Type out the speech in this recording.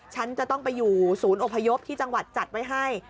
ฉันจะต้องไปอยู่ศูนย์อพยพที่จังหวัดจัดไว้ให้